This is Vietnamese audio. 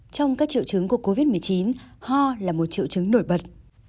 trong các triệu chứng của covid một mươi chín ho là một triệu chứng nổi bật